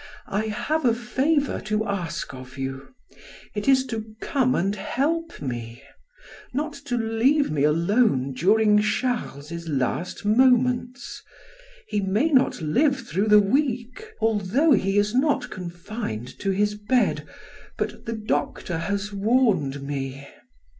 I have a favor to ask of you; it is to come and help me not to leave me alone during Charles's last moments. He may not live through the week, although he is not confined to his bed, but the doctor has warned me.